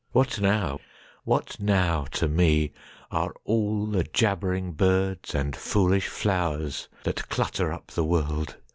What now—what now to meAre all the jabbering birds and foolish flowersThat clutter up the world?